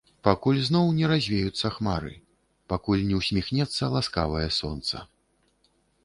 Пакуль зноў не развеюцца хмары, пакуль не ўсміхнецца ласкавае сонца.